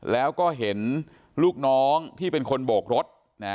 แล้วก็เห็นลูกน้องที่เป็นคนโบกรถ